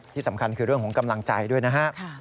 ที่สำคัญคือเรื่องของกำลังใจด้วยนะครับ